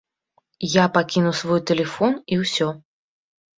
Я пакінуў свой тэлефон, і ўсё.